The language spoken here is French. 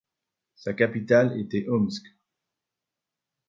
Sa capitale était Omsk.